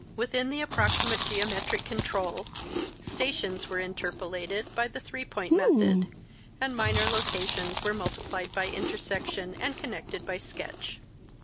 Within the approximate geometric control, stations were interpolated by the three point method, and minor locations were multiplied by inter section and connected by sketch.